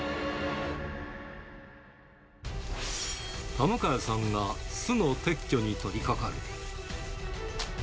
田迎さんが巣の撤去に取りかかる。